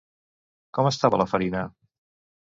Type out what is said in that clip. Com estava la farina?